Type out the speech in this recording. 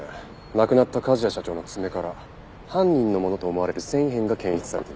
亡くなった梶谷社長の爪から犯人のものと思われる繊維片が検出されています。